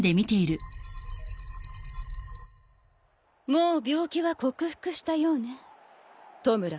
もう病気は克服したようねトムラハル。